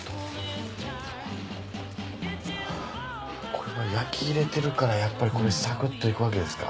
これは焼きいれてるからやっぱりこれサクッといくわけですか？